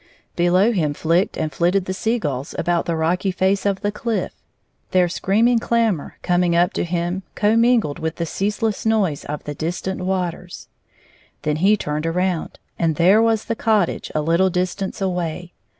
Below him flicked and flitted the sea gulls about the rocky face of the cliff, their screaming clamor coming up to him commingled with the ceaseless noise of the dis tant waters. Then he turned around, and there was the cottage a Uttle distance away.